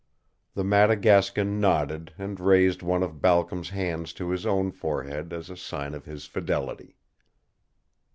The Madagascan nodded and raised one of Balcom's hands to his own forehead as a sign of his fidelity.